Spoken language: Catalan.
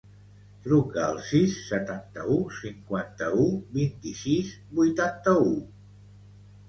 Truca al sis, setanta-u, cinquanta-u, vint-i-sis, vuitanta-u.